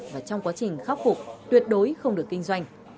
và trong quá trình khắc phục tuyệt đối không được kinh doanh